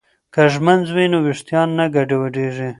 که ږمنځ وي نو ویښتان نه ګډوډیږي.